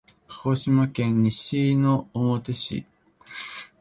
鹿児島県西之表市